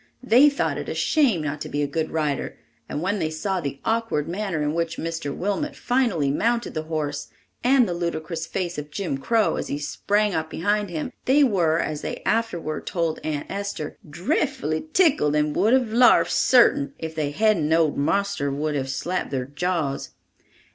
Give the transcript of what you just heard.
They thought it a shame not to be a good rider and when they saw the awkward manner in which Mr. Wilmot finally mounted the horse and the ludicrous face of Jim Crow as he sprang up behind him, they were, as they afterward told Aunt Esther, "dreffully tickled and would have larfed, sartin, if they hadn't knowed marster would have slapped their jaws."